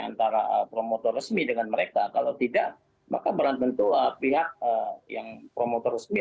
antara promotor resmi dengan mereka kalau tidak maka barang tentu pihak yang promotor resmi